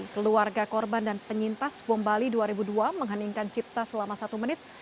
keluarga korban dan penyintas bom bali dua ribu dua mengheningkan cipta selama satu menit